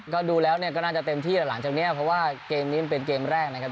ก็ดูแล้วเนี่ยก็น่าจะเต็มที่แล้วหลังจากนี้เพราะว่าเกมนี้มันเป็นเกมแรกนะครับ